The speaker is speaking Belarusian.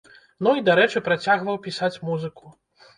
Ну, і, дарэчы, працягваў пісаць музыку.